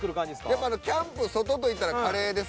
やっぱキャンプ外と言ったらカレー！